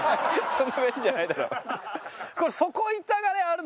そんな便利じゃないだろ。